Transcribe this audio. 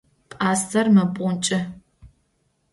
P'aster mep'onç'ı.